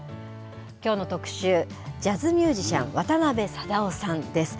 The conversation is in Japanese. きょうの特集、ジャズミュージシャン、渡辺貞夫さんです。